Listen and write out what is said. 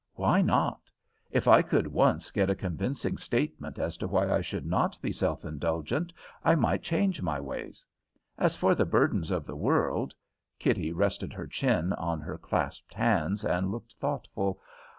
Why not? If I could once get a convincing statement as to why I should not be self indulgent, I might change my ways. As for the burdens of the world " Kitty rested her chin on her clasped hands and looked thoughtful.